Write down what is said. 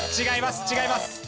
違います違います。